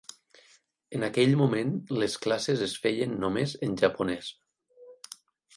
En aquell moment, les classes es feien només en japonès.